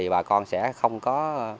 bà con sẽ không có